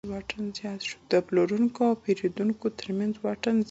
د پلورونکو او پیرودونکو ترمنځ واټن زیات شو.